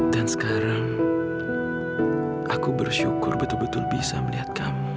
terima kasih tuhan